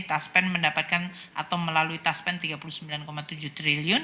taspen mendapatkan atau melalui taspen tiga puluh sembilan tujuh triliun